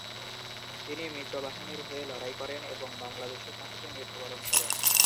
তিনি মিত্রবাহিনীর হয়ে লড়াই করেন এবং বাংলাদেশের মাটিতে মৃত্যুবরণ করেন।